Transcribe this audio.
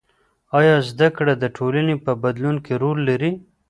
آیا زده کړه د ټولنې په بدلون کې رول لري؟